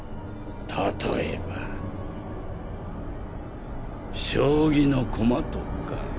例えば将棋の駒とか。